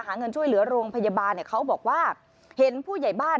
หาเงินช่วยเหลือโรงพยาบาลเนี่ยเขาบอกว่าเห็นผู้ใหญ่บ้าน